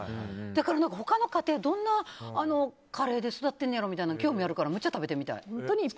だから、他の家庭どんなカレーで育ってんねやろって興味あるからむっちゃ食べてみたい。